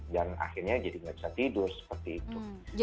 akhirnya jadi nggak bisa tidur seperti itu